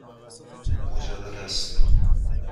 مجرد هستی؟